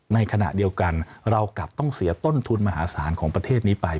ในขณะเดียวกันเรากลับต้องเสียต้นทุนมหาศาลของประเทศนี้ไป